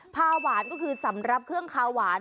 หวานก็คือสำหรับเครื่องคาวหวาน